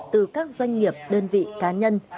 từ các doanh nghiệp đơn vị cá nhân